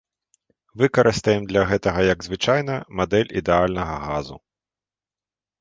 Выкарыстаем для гэтага, як звычайна, мадэль ідэальнага газу.